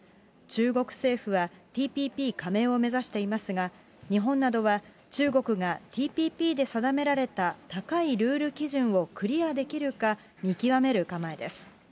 中国政府は、ＴＰＰ加盟を目指していますが、日本などは、中国がＴＰＰで定められた高いルール基準をクリアできるか、見極める構えです。